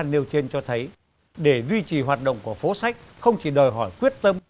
các đơn vị tham gia nêu trên cho thấy để duy trì hoạt động của phố sách không chỉ đòi hỏi quyết tâm